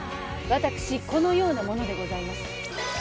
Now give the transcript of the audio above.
私このようなものでございます